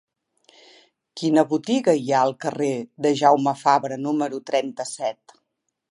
Quina botiga hi ha al carrer de Jaume Fabra número trenta-set?